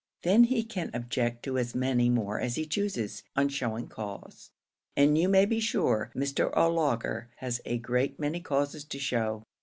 Then he can object to as many more as he chooses, on showing cause, and you may be sure Mr. O'Laugher has a great many causes to show.